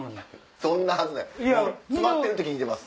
そんなはずない詰まってるって聞いてます。